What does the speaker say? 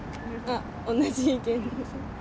同じ意見です。